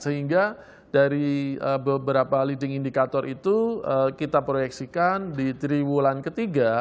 sehingga dari beberapa leading indikator itu kita proyeksikan di triwulan ketiga